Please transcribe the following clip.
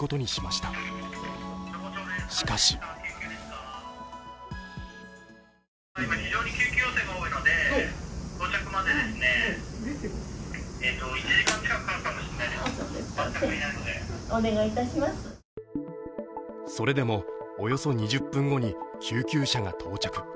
しかしそれでも、およそ２０分後に救急車が到着。